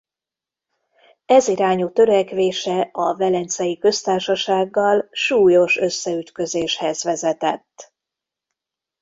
Ez irányú törekvése a Velencei Köztársasággal súlyos összeütközéshez vezetett.